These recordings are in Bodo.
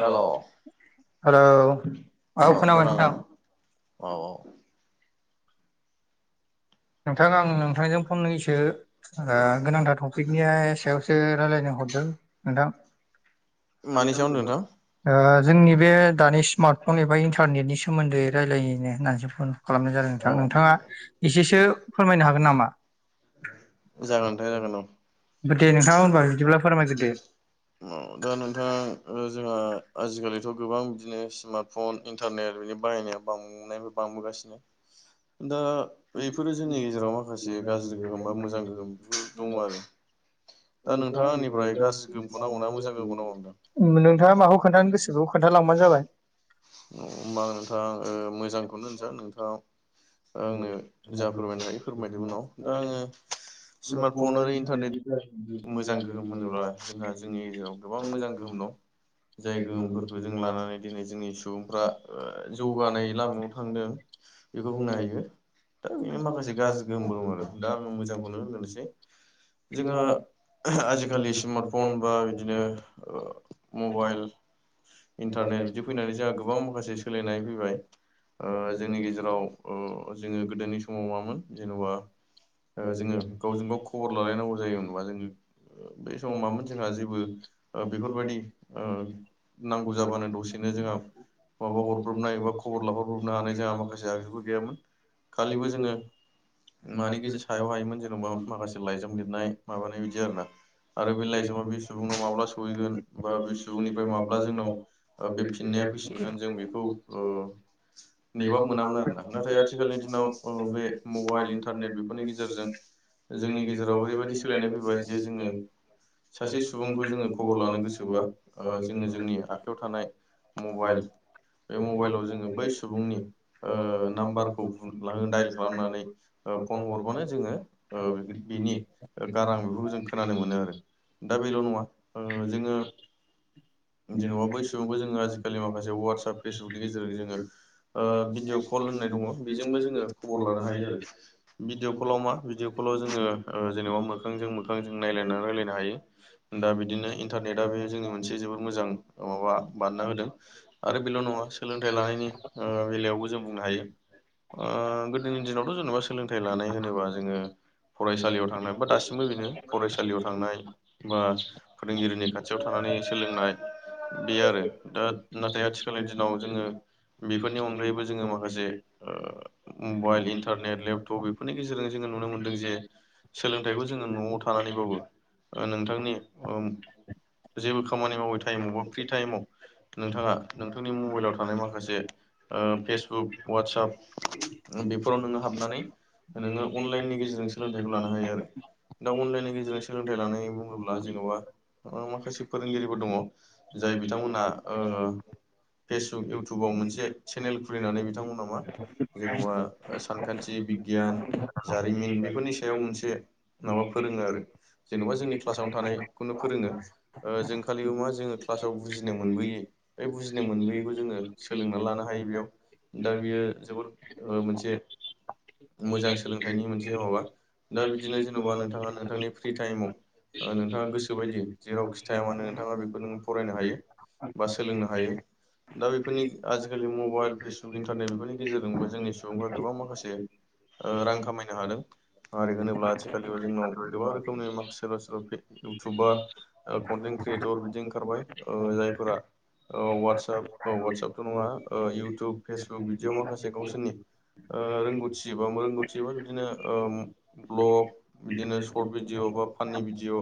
हेल' औ हेलौ औ अ खोनाबाय खोना नोंथां औ औ नोंथां आं नोंथांजों फंनैसो गोनांथार टपिकनिया सायावसो रायलायनो हरदों नोंथां। मानि सायाव होनदों नोंथां? [unintelligible] ओ जोंनि बे दानि स्मार्टफन एबा इन्टारनेटनि सोमोन्दै रायलायनो होननानैसो फन खालामनाय जादों औ नोंथां नोंथाङा एसेसो फोरमायनो हागोन नामा? जागोन नोंथां जागोन आं दे नोंथाङा होनोमबा बिदिब्ला फोरमायजोबदो दा नोंथां जोंहा आजिखालिथ' गोबां बिदिनो स्मार्ट फन इन्टारनेट बिनि बाहायनाया बांनायबो बांबोगासिनो दा बेफोरो जोंनि गेजेराव माखासे गाज्रि गोहोम बा मोजां गोहोमफोर दङ आरो। दा नोंथाङा आंनिफ्राय गाज्रि गोमखौ नांगौना मोजां गोखौ नोंथाङा नांगौदां माखौ खोन्थानो गोसो बेखौ खोन्थालांबानो जाबाय होनोमबा नोंथां मोजांखौनो होनसै नोंथां। आंनो जा फोरमायनो हायो फोरमायदों उनाव दा आङो स्मार्टफन आरो इन्टारनेट मोजां गोहोम होनोब्ला जोंहा जोंनि गेजेराव गोबां मोजां गोहोम दं। जाय गोहोमफोरखौ जों लानानै दिनै जोंनि सुबुंफ्रा जौगानाय लामायाव थांदों बेखौ बुंनो हायो दा बेनो माखासे गाज्रि गोहोमबो दं आरो दा आं मोजांखौनो होनोग्रोनोसै। अ आजिखालि स्मार्टफन बा बिदिनो मबाइल इन्टारनेट बिदि फैनानै जोंहा गोबां माखासे सोलायनाय फैबाय। ओ जोंनि गेजेराव जोङो गोदोनि समाव मामोन जेन'बा जोङो गावजों गाव खबर लालायनांगौ जायोमोनबा जोङो बे समाव मामोन जोंहा जेबो बेफोरबायदि ओ नांगौ जाबानो दसेनो जोंहा माबा हरब्रबनाय बा खबर लाहरब्रबनो हानाय जोंहा माखासे आ गैयामोन खालिबो जोङो मानि गेजेर सायाव हायोमोन जेनेबा माखासे लाइजाम लिरनाय माबानाय बिदि आर ना। आरो बे लाइजामा बे सुबुंनाव माब्ला सहैगोन बा बे सुबुंनिफ्राय माब्ला जोंनाव बे फिननाया फैफिनगोन जों बेखौ नेबाब मोनामोन आरोना। नाथाय आथिखालनि दिनाव बे मबाइल इन्टारनेट बेफोरनि गेजेरजों जोंनि गेजेराव ओरैबायदि सोलायनाय फैबाय। जे जोङो [unintelligible] सासे सुबुंखौ जोङो खबर लानो गोसोबा जोङो जोंनि आखायाव थानाय मबाइल बे मबाइलाव जोङो बै सुबुंनि ओ नाम्बारखौ दाइल खालामनानै फन हरबानो जोङो ओ बिनि गारां बेफोरखौ जों खोनानो मोनो आरो दा बेल' नङा ओ जोङो जेन'बा बै सुबुंखौ जोङो आजिखालि माखासे वाट्सएप फेसबुकनि गेजेरजों जोङो ओ बिदि बेजोंबो जोङो खबर लानो हायो आरो। भिदिअ' खलाव मा भिडअ कलाव जोङो जेनेबा मोखांजों मोखां। बिफां जों नायलायनानै राय्लायनो हायो दा बिदिनो इन्टारनेटा बे जोङो मोनसे जोबोद मोजां। माबा बानायना होदों आरो बेल' नङा सोलोंथाइ लानायनि बेलायावबो जों बुंनो हायो गोदोनि दिनावथ' जेनेबा सोलोंथाइ लानाय होनोबा जोङो। फरायसालियाव थांनायबा दासिमबो बेनो। फरायसालियाव थांनाय बा फोरोंगिरिनि खाथियाव थानानै सोलोंनाय बे आरो दा नाथाय आथिखालनि दिनाव जोङो बेफोरनि अनगायैबो जोङो माखासे‌। ज मबाइल इन्टारनेट लेपटप बेफोरनि गेजेरजों जोङो नुनो मोनदों जे सोलोंथाइखौ जोङो न'आव थानानैबावो नोंथांनि ओ औ। जेबो खामानि मावै टाइमाव बा फ्रि टाइमाव नोंथाङा नोंथांनि मबाइलाव थानाय माखासे फेसबुक ववाटसप बेफोराव नोङो हाबनानै नोङो अनलाइननि गेजेरजों सोलोंथाइखौ लानो हायो आरो। दा अनलाइननि गेजेरजों सोलोंथाइ लानाय बुङोब्ला जेन'बा माखासे [unintelligible] फोरोंगिरिबो दङ जाय बिथांमोना ओ [unintelligible] फेसबुक इउटुबाव मोनसे चेनेल खुलिनानै बिथांमोना मा जेन'बा बि सानखान्थि बिगियान जारिमिन बेफोरनि सायाव मोनसे जज माबा फोरोङो आरो जेन'बा जोंनि क्लासावनो थानायखौनो फोरोङो जों खालियाव मा जोङो। क्लासाव बुजिनो मोनबोयै बे बुजिनो मोनबोयैखौ जोङो सोलोंना लानो हायो बेयाव। दा बियो जोबोरमोनसे मोजां सोलोंथाइनि मोनसे माबा दा बिदिनो जेन'बा नोंथाङा नोंथांनि फ्रि टाइमाव नोंथाङा गोसो बायदि जेराव खि था मानो नोंथाङा बेखौ नों फरायनो हायो बा सोलोंनो हायो दा बेफोरनि आजिखालि मबाइल फेसबु इन्टारनेट बेफोरनि गेजेरजोंबो जोंनि सुबुंफ्रा गोबां माखासे रां खामायनो हादों। मै होनोब्लासै आ खालिबो जोंनाव गोबां रोखोमनि माखा सोरबा सोरबा इउटुबार कन्टेन्ट क्रियेटर बिदि ओंखारबाय। जायफोरा वाटसप औ वाटसपथ' नङा इउटुब फेसबुक बिदियाव माखासे गावसोरनि रोंगौथि एबा रोंगौथि एबा बि बिदिनो भ्लग बिदिनो सर्ट भिडियअ बा फाननि भिडिअ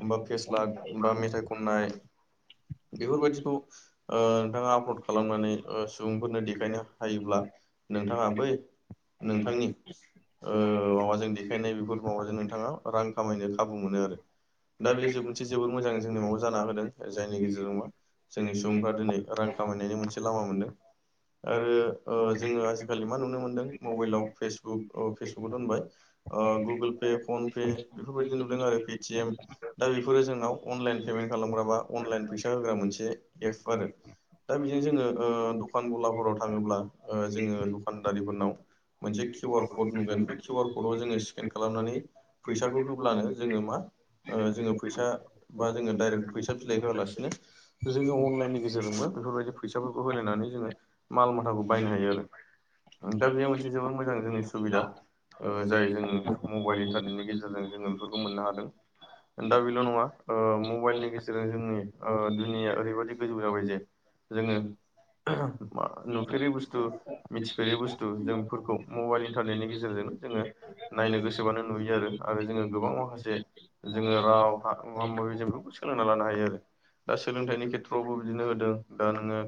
हबा फेस्लाक बा मेथाइ खननाय बेफोरबायदिखौ नोंथाङा आपलड खालामनानै सुबुंफोरनो देखाय दखायनो हायोब्ला नोंथाङा बै नोंथांनि माबाजों देखायनाय माबाजों नोंथाङा रां खामायनो खाबु मोनो आरो दा बे मोनसे जोबोद मोजां जोंनि म'आव जाना होदों जायनि गेजेरजों मा जोंनि सुबुंफ्रा दिनै रां खामायनायनि मोनसे लामा मोन्दों आरो जोङो आजिखालि मा नुनो मोनदों मबाइलाव फेसबुक फेसबुक खौ दोनबाय गुगोल पे फन पे बेफोरबायदि नुदों आरो पेटिएम दा बेफोरो जोंनाव अनलाइन पेमेन्ट खालामग्रा बा अनलाइन फैसा होग्रा मोनसे एप आरो। दा बेजों जोङो दखान गलाफोराव थाङोब्ला जोङो दखानदारिफोरनाव। मोनसे किउ आर कड नुगोन बे किउआर कडाव जोङो। स्केन खालामनानै फैसाखौ होब्लानो जोङो मा? जोङो फैसा बा जोङो डाइरेक्ट फैसा फिलाइ होआलासिनो। जोङो अनलाइननि गेजेरजोंबो बेफोरबायदि फैसाफोरखौ होलायनानै जोङो। माल माथाखौ बायनो हायो आरो। दा बेयो मोनसे जोबोद मोजां जोंनि सुबिदा जाय जों मबाइल इन्टारनेटनि गेजेरजों जोङो बेफोरखौ मोननो हादों दा बेल' नङा मबाइलनि गेजेरजों जोंनि दुनिया ओरैबायाददि गोजौ जाबाय जे जोङो ज [unintelligible] नुफेरै बुस्थु मिथिफेरि बुस्थु जों बेफोरखौ मबाइल इन्टारनेटनि गेजेरजों जोङो नायनो गोसोबानो नुयो आरो आरो जोङो गोबां माखासे जोङो राव मा माबि जों बेफोरखौ सोलोंना लानो हायो आरो दा सोलोंथाइनि खेथ्रआवबो बिदिनो होदों दा नोङो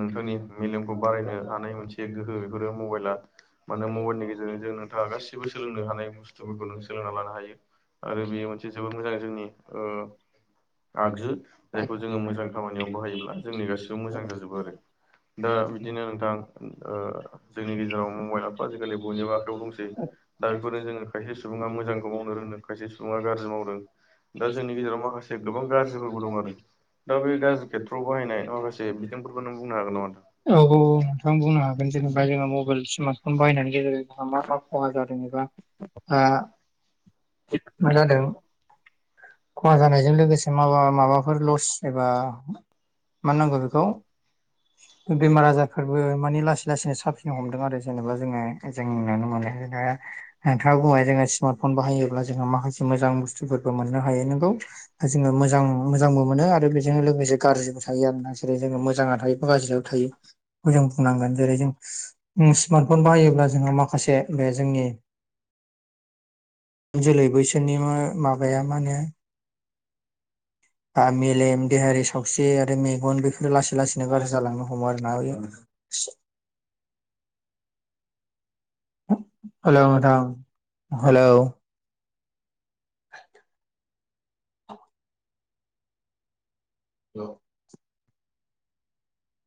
नोंथांनि मेलेमखौ बारायनो हानाय मोनसे गोहो बेफोरो मबाइला माने मबाइलनि गेजेरजों जों नोंथाङा गासिबो सोलोंनो हानाय बुस्थुफोरखौ नों सोलोंना लानो हायो आरो बेयो मोनसे जोबोद मोजां जोंनि आगजु जायखौ जोङो मोजां खामानियाव बाहायोब्ला जोंनि गासिबो मोजां जाजोबो आरो। दा बिदिनो नोंथां जोंनि गेजेराव मबाइलथ' आजिखालि बयनिबो आखाइयाव दंसै दा बेफोरनो जोङो खायसे सुबुङा मोजांखौ मावनो रोंदों खायसे सुबुङा गाज्रि मावदों दा जोंनि गेजेराव माखासे गोबां गाज्रिफोरबो दं आरो दा बे गाज्रि खेथ्रआव बाहायनाय माखासे बिथिंफोरखौ नों बुंनो हागोन नामा? औ औ नोंथां बुंनो हागोन जेनेबा जोंहा मबाइल स्मार्टफन बायनायनि गेजेरजों जोंहा मा मा खहा जादों एबा [unintelligible] जादों खहा जानायजों लोगोसे माबा माबाफोर लस एबा मा होननांगौ बेखौ बेमार आजारफोरबो माने लासै लासैनो साफिनो हमदों आरो जेनेबा जोङो जों नुनो मोनो नोंथाङा बुंबाय जोङो स्मार्टफन बाहायोब्ला जोङो माखासे मोजां बुस्थुफोरबो मोननो हायो नोंगौ जोङो मोजां मोजांबो मोनो आरो बेजों लोगोसे गाज्रिबो थायो आरोना जेरै जोङो मोजाङा थायोबा गाज्रियाबो थायोखौ जों बुंनांगोन जेरै जों स्मार्ट फन बाहायोब्ला जोङो माखासे बे जोंनि जोलै बैसोरनि माबाया मा होनो मेलेम, देहायारि सावस्रि आरो मेगन बेफोरो लासै लासैनो गाज्रि जालांनो हमो आरोना [inaudible] हेलौ नोंथां हेलौ औ